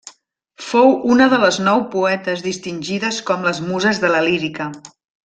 Fou una de les nou poetes distingides com les muses de la lírica.